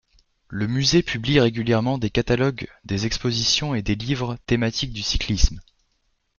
Le musée publie régulièrement des catalogues des expositions et des livres thématiques du cyclisme.